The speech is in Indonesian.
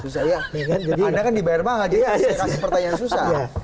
saya jadi anda kan dibayar banget jadi saya kasih pertanyaan susah